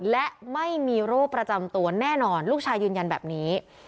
และไม่มีโรคประจำตัวแน่นอนลูกชายยืนยันแบบนี้